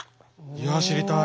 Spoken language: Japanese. いや知りたい。